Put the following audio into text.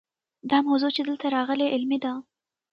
دا موضوع چې دلته راغلې علمي ده.